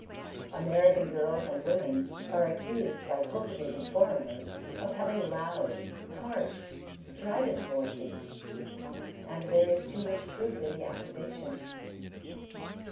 American girls and women are accused by cultivated foreigners of having loud, harsh, strident voices; and there is too much truth in the accusation.